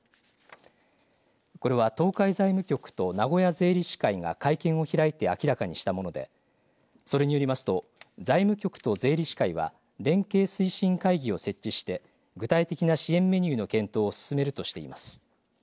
これは東海財務局と名古屋税理士会が会見を開いて明らかにしたものでそれによりますと財務局と税理士会は連携推進会議を設置して具体的な支援メニューの検討を進めるとしています。